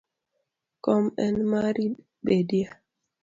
Kom en mari bedie